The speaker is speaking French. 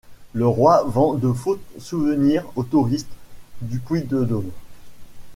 Le roi vend de faux souvenirs aux touristes du Puy-de-Dôme.